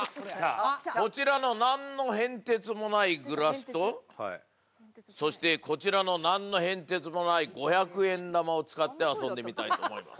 こちらの何の変哲もないグラスとそしてこちらの何の変哲もない五百円玉を使って遊んでみたいと思います。